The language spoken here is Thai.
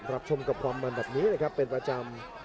รับชมกับความมันแบบนี้นะครับเป็นประจำ